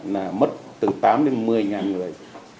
là mất từ tám đến một mươi ngàn người